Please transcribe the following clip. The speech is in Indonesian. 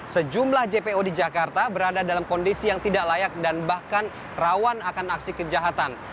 sejumlah jpo di jakarta berada dalam kondisi yang tidak layak dan bahkan rawan akan aksi kejahatan